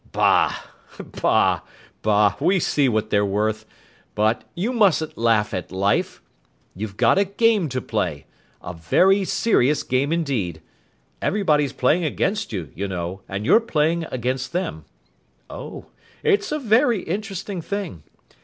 Bah, bah, bah! We see what they're worth. But, you mustn't laugh at life; you've got a game to play; a very serious game indeed! Everybody's playing against you, you know, and you're playing against them. Oh! it's a very interesting thing.